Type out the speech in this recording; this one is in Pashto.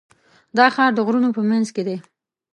دا ښار د غرونو په منځ کې دی.